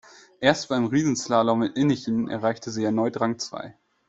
Erst beim Riesenslalom in Innichen erreichte sie erneut Rang zwei.